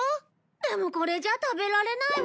でもこれじゃ食べられないわ。